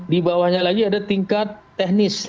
di bawahnya lagi ada tingkat teknis